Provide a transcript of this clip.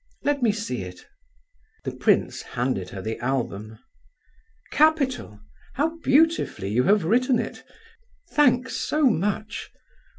Let me see it." The prince handed her the album. "Capital! How beautifully you have written it! Thanks so much.